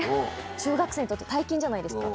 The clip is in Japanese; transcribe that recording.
中学生のとき、大金じゃないですか。